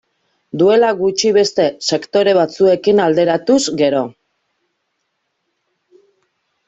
Duela gutxi, beste sektore batzuekin alderatuz gero.